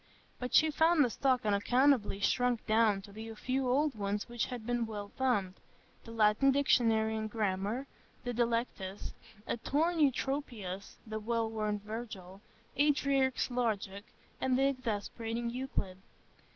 But she found the stock unaccountably shrunk down to the few old ones which had been well thumbed,—the Latin Dictionary and Grammar, a Delectus, a torn Eutropius, the well worn Virgil, Aldrich's Logic, and the exasperating Euclid.